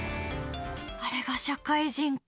あれが社会人か。